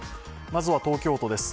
まずは東京都です。